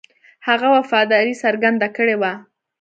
هغه وفاداري څرګنده کړې وه.